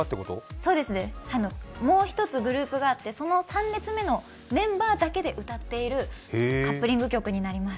そうです、もう一つグループがあって、その３列目のメンバーだけで歌っているカップリング曲になります。